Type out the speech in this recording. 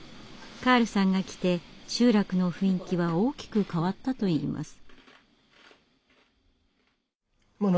カールさんが来て集落の雰囲気は大きく変わったといいます。